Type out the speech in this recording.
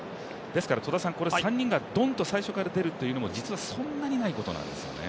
ですからこの３人がドンと最初から出るというのも実はそんなにないことなんですよね。